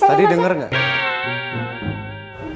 tadi denger gak